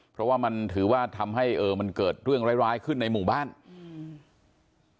เพราะว่ามันถือว่าทำให้เออมันเกิดเรื่องร้ายร้ายขึ้นในหมู่บ้านอืม